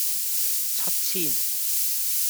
七千